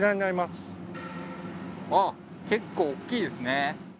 あっ結構大きいですね。